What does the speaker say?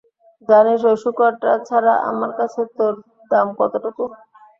জানিস ওই শূকরটা ছাড়া আমার কাছে তোর দাম কতটুকু?